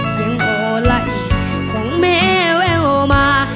เสียงโอไหลของแม่แววมา